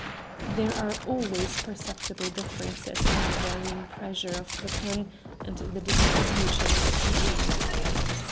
There are always perceptible differences in the varying pressure of the pen and the distribution of the ink.